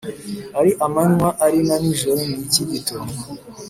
ari amanywa ari na nijoro niki gito